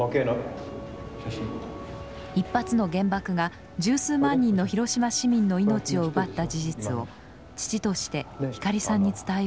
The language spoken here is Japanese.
１発の原爆が１０数万人の広島市民の命を奪った事実を父として光さんに伝えようとしています。